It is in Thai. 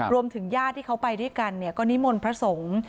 ญาติที่เขาไปด้วยกันก็นิมนต์พระสงฆ์